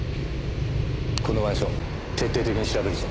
このマンション徹底的に調べるぞ。